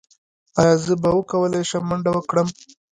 ایا زه به وکولی شم منډه کړم؟